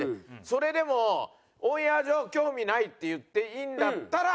それでもオンエア上「興味ない」って言っていいんだったら。